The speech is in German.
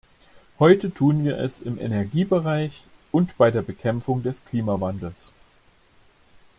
Heute tun wir es im Energiebereich und bei der Bekämpfung des Klimawandels.